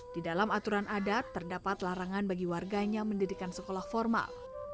di tengah adat terdapat larangan bagi warganya mendidikan sekolah formal